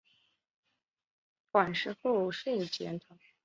馆试后授检讨。